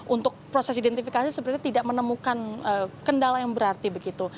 untuk proses identifikasi sebenarnya tidak menemukan kendala yang berarti begitu